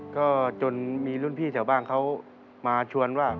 ก็จนมีรุ่นพี่แถวบ้านเขามาชวนว่า